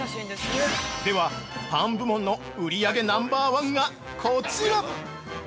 では、パン部門の売り上げナンバーワンが、こちら！